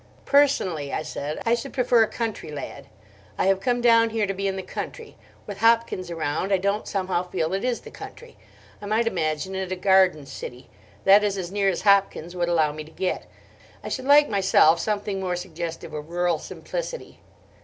"Personally," I said, "I should prefer a country lad. I have come down here to be in the country. With Hopkins around, I don't somehow feel it is the country. I might imagine it a garden city: that is as near as Hopkins would allow me to get. I should like myself something more suggestive of rural simplicity."